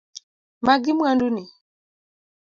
Magi mwandu ni.